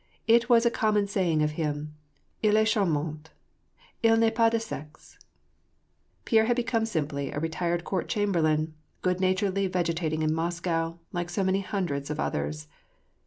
It was a common saying of him : "iZ est charmant ; il vHa pas de ««ra." Pierre had become simply a retired court chamberlain, good naturedly vegetating in Moscow, like so many hundit^ of others.